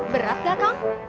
berat gak kang